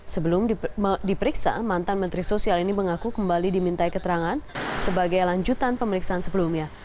sebelum diperiksa mantan menteri sosial ini mengaku kembali dimintai keterangan sebagai lanjutan pemeriksaan sebelumnya